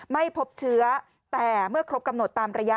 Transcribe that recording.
ไม่พบเชื้อแต่เมื่อครบกำหนดตามระยะ